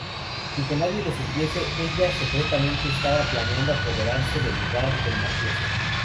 Sin que nadie lo supiese, ella secretamente estaba planeando apoderarse del lugar del mafioso.